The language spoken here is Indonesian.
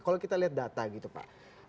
kalau kita lihat data gitu pak